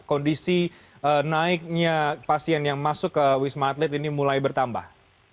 kondisi naiknya pasien yang masuk ke wisma atlet ini mulai bertambah